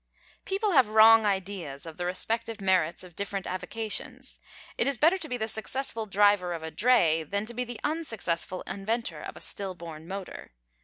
People have wrong ideas of the respective merits of different avocations. It is better to be the successful driver of a dray than to be the unsuccessful inventor of a still born motor.